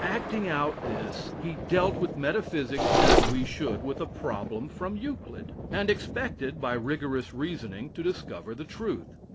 Acting out this, he dealt with metaphysics as we should with a problem from Euclid, and expected by rigorous reasoning to discover the truth.